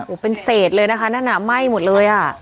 โอ้โหเป็นเศษเลยนะคะนั่นน่ะไหม้หมดเลยอ่ะ